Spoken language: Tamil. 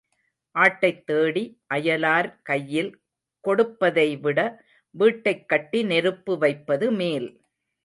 ஆட்டைத் தேடி அயலார் கையில் கொடுப்பதைவிட வீட்டைக் கட்டி நெருப்பு வைப்பது மேல்.